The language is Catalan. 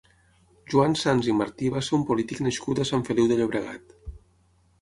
Joan Sans i Martí va ser un polític nascut a Sant Feliu de Llobregat.